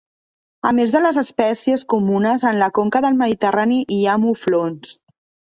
A més de les espècies comunes en la conca del Mediterrani hi ha muflons.